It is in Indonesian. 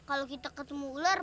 kalau kita ketemu ular